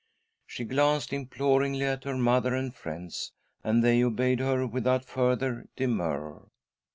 She glanced imploringly at her mother and friends, and they obeyed her without further demur.